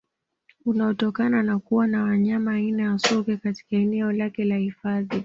Unaotokana na kuwa na wanyama aina ya Sokwe katika eneo lake la hifadhi